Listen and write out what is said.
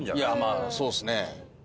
まあそうですね。